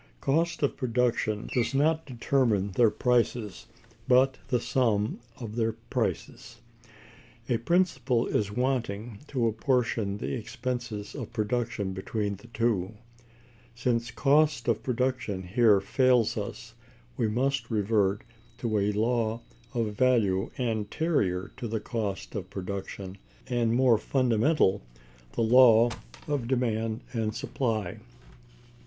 Cost of production does not determine their prices, but the sum of their prices. A principle is wanting to apportion the expenses of production between the two. Since cost of production here fails us, we must revert to a law of value anterior to cost of production, and more fundamental, the law of demand and supply.